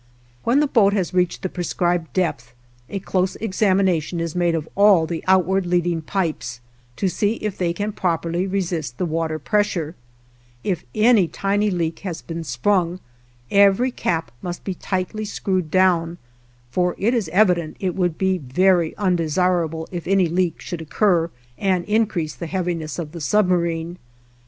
When the boat has reached the prescribed depth a close examination is made of all the outward leading pipes, to see if they can properly resist the water pressure; if any tiny leak has been sprung, every cap must be tightly screwed down; for it is evident it would be very undesirable if any leak should occur and increase the heaviness of the submarine.